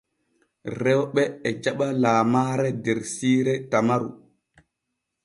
Rewɓe e jaɓa lamaare der siire Tamaru.